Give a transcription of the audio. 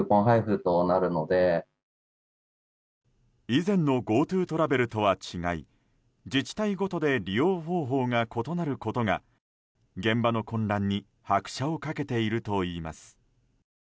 以前のＧｏＴｏトラベルとは違い自治体ごとで利用方法が異なることが現場の混乱に拍車をかけているといいます。